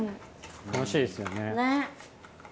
楽しいですよね。ねぇ。